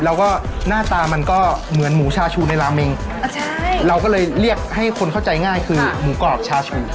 แล้วก็หน้าตามันก็เหมือนหมูชาชูในราเมงเราก็เลยเรียกให้คนเข้าใจง่ายคือหมูกรอบชาชู